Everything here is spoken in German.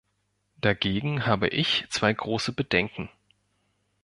Dagegen habe ich zwei große Bedenken.